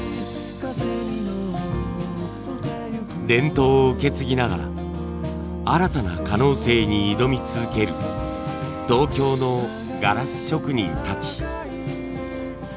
伝統を受け継ぎながら新たな可能性に挑み続ける東京のガラス職人たち。